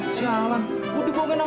siapa mau personel